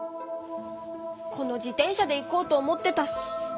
この自転車で行こうと思ってたし。